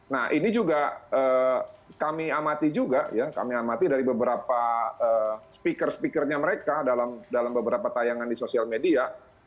nah ini juga kami amati juga ya kami amati dari beberapa speaker speakernya mereka dalam beberapa tayangan di sosial media